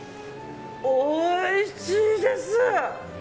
おいしいです。